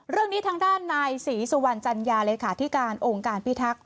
เรื่องนี้ทางด้านนายศรีสุวรรณจัญญาเลขาธิการองค์การพิทักษ